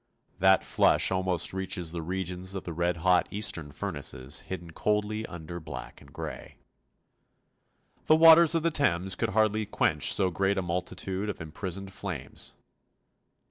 That flush almost reaches the regions of the red hot eastern furnaces hidden coldly under black and grey. The waters of the Thames could hardly quench so great a multitude of imprisoned flames.